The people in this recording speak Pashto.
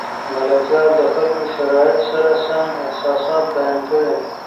ملکیار د خپلو شرایطو سره سم احساسات بیان کړي.